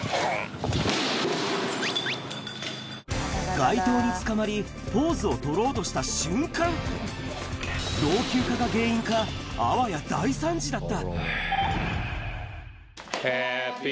街灯につかまり、ポーズを取ろうとした瞬間、老朽化が原因か、あわや大惨事だった。